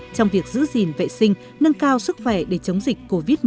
trong việc giữ gìn vệ sinh nâng cao sức khỏe để chống dịch covid một mươi chín